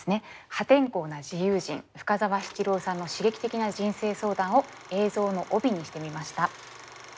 破天荒な自由人深沢七郎さんの刺激的な人生相談を映像の帯にしてみました。